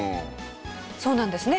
そうなんですね。